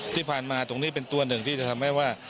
ที่ผ่านมาตรงนี้เป็นตัวหนึ่งที่จะทำให้ว่า